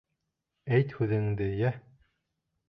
Әйт һүҙеңде, йә!